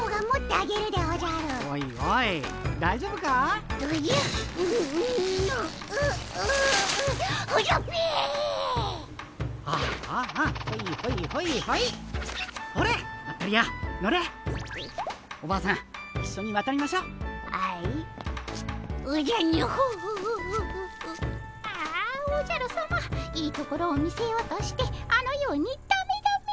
ああおじゃるさまいいところを見せようとしてあのようにだめだめ。